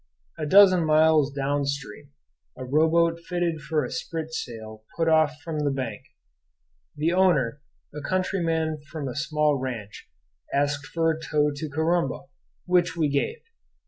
A dozen miles down stream a rowboat fitted for a sprit sail put off from the bank. The owner, a countryman from a small ranch, asked for a tow to Corumba, which we gave.